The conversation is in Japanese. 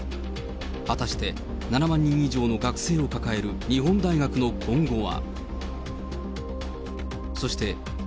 果たして、７万人以上の学生を抱える日本大学の今後は。